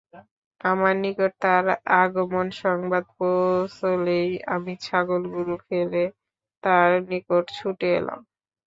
আমার নিকট তার আগমন সংবাদ পৌঁছলেই আমি ছাগলগুলো ফেলে তার নিকট ছুটে এলাম।